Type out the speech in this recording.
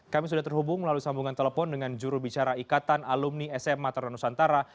kami sudah terhubung melalui sambungan telepon dengan jurubicara ikatan alumni sma tarunusantara